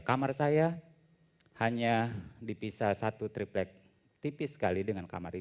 kamar saya hanya dipisah satu triplek tipis sekali dengan kamar itu